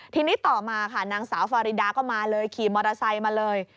ทีนี้ต่อมาค่ะนางสาวฟาริดาก็มาเลยขี่มอเตอร์ไซค์มาเลย